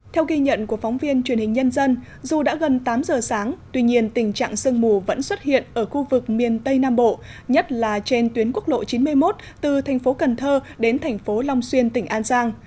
theo ghi nhận của phóng viên truyền hình nhân dân dù đã gần tám giờ sáng tuy nhiên tình trạng sương mù vẫn xuất hiện ở khu vực miền tây nam bộ nhất là trên tuyến quốc lộ chín mươi một từ thành phố cần thơ đến thành phố long xuyên tỉnh an giang